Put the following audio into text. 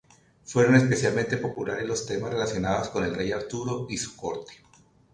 Fueron especialmente populares los temas relacionados con el rey Arturo y su corte.